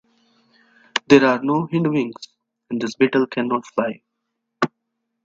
There are no hind wings and this beetle cannot fly.